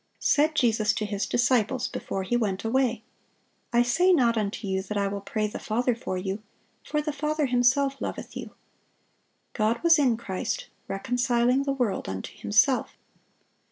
Said Jesus to His disciples, before He went away, "I say not unto you, that I will pray the Father for you: for the Father Himself loveth you."(683) God was "in Christ, reconciling the world unto Himself."